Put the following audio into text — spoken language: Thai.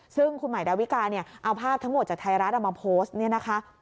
ซึ่งคุณหมายดาวิกาเนี่ยเอาภาพทั้งหมดจากไทยรัฐเอามาโพสต์เนี่ยนะคะ